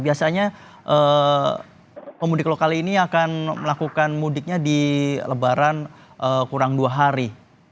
biasanya pemudik lokal ini akan melakukan mudiknya di lebaran kurang dua hari